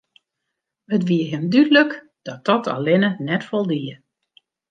It wie him dúdlik dat dat allinne net foldie.